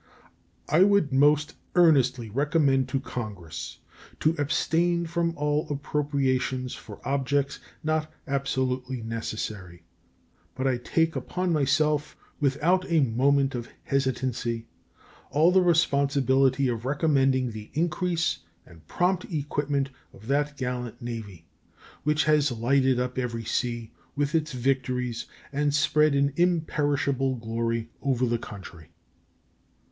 I would most earnestly recommend to Congress to abstain from all appropriations for objects not absolutely necessary; but I take upon myself, without a moment of hesitancy, all the responsibility of recommending the increase and prompt equipment of that gallant Navy which has lighted up every sea with its victories and spread an imperishable glory over the country.